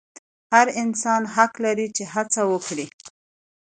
هر انسان حق لري چې هڅه وکړي.